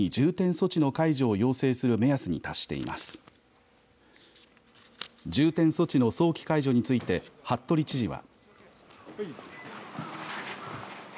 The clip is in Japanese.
重点措置の早期解除について服部知事は。